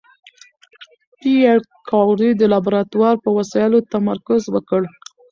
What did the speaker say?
پېیر کوري د لابراتوار په وسایلو تمرکز وکړ.